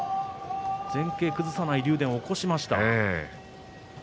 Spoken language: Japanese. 前傾を崩さない竜電を起こしました。